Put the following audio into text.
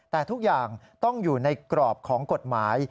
แต่ทุกอย่างต้องอยู่ในกรอบของกฎหมาย